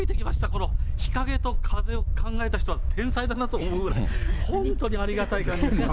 この日陰と風を考えた人は天才だなと思うぐらい、本当にありがたい。